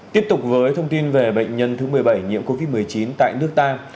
tiếp tục với thông tin về bệnh nhân thứ một mươi bảy nhiễm covid một mươi chín tại nước ta